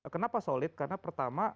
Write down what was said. kenapa solid karena pertama